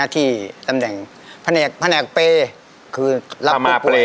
ตำแหน่งภาเนกเปลคือรับผู้ป่วยถ้ามาเปล